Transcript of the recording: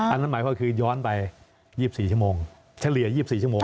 อันนั้นหมายความคือย้อนไป๒๔ชั่วโมงเฉลี่ย๒๔ชั่วโมง